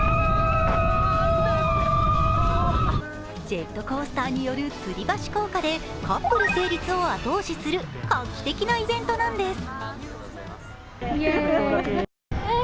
ジェットコースターによるつり橋効果でカップル成立を後押しする画期的なイベントなんです。